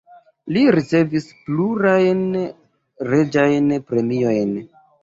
Li ricevis plurajn reĝajn premiojn.